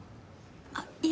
あっいえ。